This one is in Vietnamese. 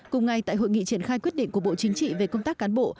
cùng ngày tại hội nghị triển khai quyết định của bộ chính trị về công tác cán bộ